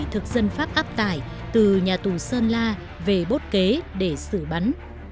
thực dân pháp áp tải từ nhà tù sơn la về bốt kế để xử bắn